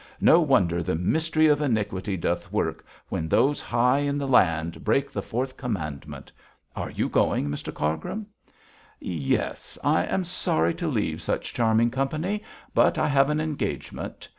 No wonder the mystery of iniquity doth work, when those high in the land break the fourth commandment; are you going, Mr Cargrim?' 'Yes! I am sorry to leave such charming company, but I have an engagement.